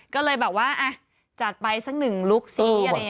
ก็เลยแบบว่าจัดไปสักหนึ่งลุคซิอะไรอย่างนี้